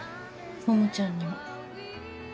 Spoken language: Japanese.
桃ちゃんにも。